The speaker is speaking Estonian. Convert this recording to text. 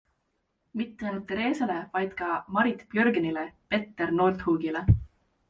Mitte ainult Theresele, vaid ka Marit Björgenile, Petter Northugile.